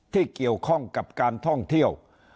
ที่เกี่ยวข้องกับการท่องเที่ยว